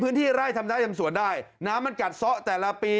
พื้นที่ไร่ทำได้ทำสวนได้น้ำมันกัดซ้อแต่ละปี